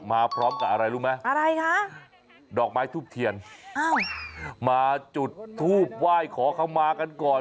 มาพร้อมกับอะไรรู้ไหมอะไรคะดอกไม้ทูบเทียนอ้าวมาจุดทูบไหว้ขอเข้ามากันก่อน